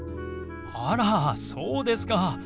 あらそうですか。